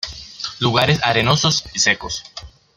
Lugares arenosos y secos.